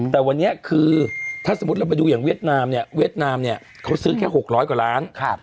แต่วันนี้คือถ้าสมมุติเราไปดูอย่างเวียดนามเนี่ยเวียดนามเนี่ยเขาซื้อแค่๖๐๐กว่าล้าน